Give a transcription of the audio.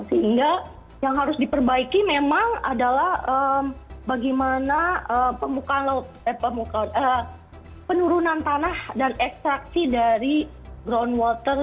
sehingga yang harus diperbaiki memang adalah bagaimana penurunan tanah dan ekstraksi dari ground water